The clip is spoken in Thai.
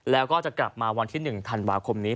แล้วก็จะกลับมาวันที่๑ธันวาคมนี้